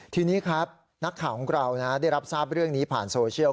ทีนี้ครับนักข่าวของเราได้รับทราบเรื่องนี้ผ่านโซเชียล